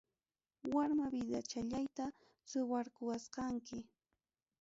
Warma vidachallayta suwarquwasqanki.